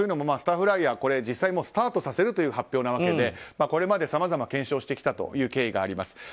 スターフライヤーは実際実際にスタートさせるという発表なわけでこれまでさまざま検証してきた経緯があります。